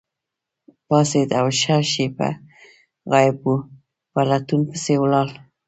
پاڅید او ښه شیبه غایب وو، په لټون پسې ولاړ.